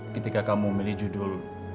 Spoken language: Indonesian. ketika kamu memilih judul